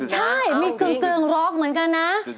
ใช่มีกึ่งร็อกเหมือนกันนะ